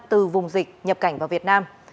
từ vùng dịch nhập cảnh vào việt nam